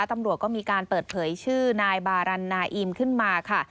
ตำรวจก็มีการเปิดเผยชื่อนายบารันนาอีมขึ้นมาค่ะ